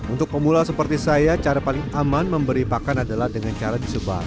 untuk pemula seperti saya cara paling aman memberi pakan adalah dengan cara disebar